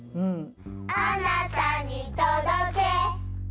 「あなたにどどけ」